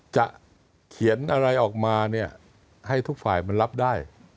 จะเขียนอะไรออกมาเนี่ยให้ทุกฝ่ายมันรับได้